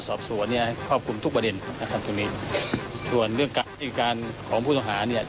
ส่วนสาเหตุที่